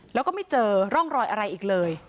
แล้วก็ไม่เจอร่องรอยอะไรอีกเลย